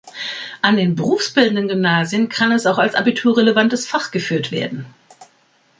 An den berufsbildenden Gymnasien kann es auch als Abitur-relevantes Fach geführt werden.